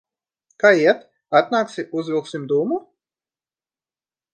Kā iet? Atnāksi, uzvilksim dūmu?